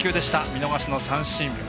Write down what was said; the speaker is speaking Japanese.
見逃し三振。